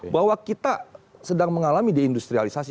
bahwa kita sedang mengalami deindustrialisasi